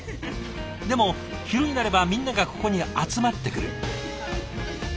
でも昼になればみんながここに集まってくる。